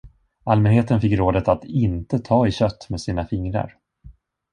Allmänheten fick rådet att inte ta i kött med sina fingrar.